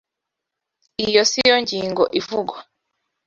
Iyo si yo ngingo ivugwa.